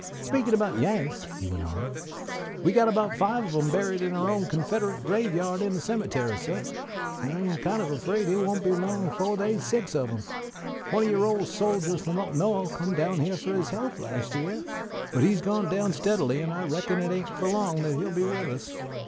Speakin' about Yanks," he went on, "we've got five of 'em buried in our own Confederate graveyard in the cemetery, suh; and I'm kind of afraid it won't be long befo' they's six of 'em. One of yo' old soldiers from up No'th come down here fo' his health last year; but he's gone down steadily, and I reckon it ain't for long that he'll be with us.